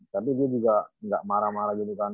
tapi dia juga nggak marah marah gitu kan